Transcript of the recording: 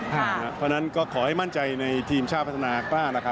เพราะฉะนั้นก็ขอให้มั่นใจในทีมชาติพัฒนากล้า